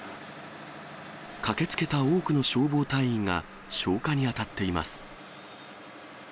駆けつけた多くの消防隊員が消火に当たっています。